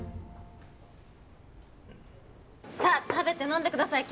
さあ食べて飲んでください